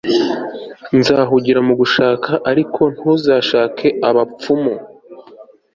nzahungira mu gushaka ariko ntugashake abapfumu